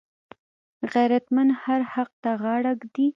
غیرتمند هر حق ته غاړه ږدي